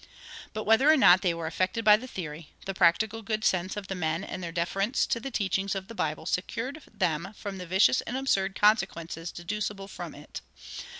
But whether or not they were affected by the theory, the practical good sense of the men and their deference to the teachings of the Bible secured them from the vicious and absurd consequences deducible from it.